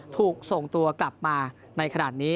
ถูกส่งตัวกลับมาในขณะนี้